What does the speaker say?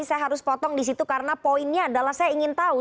saya harus potong di situ karena poinnya adalah saya ingin tahu